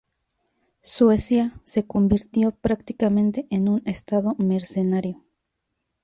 Suecia se convirtió prácticamente en un estado mercenario.